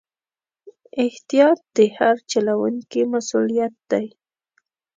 احتیاط د هر چلوونکي مسؤلیت دی.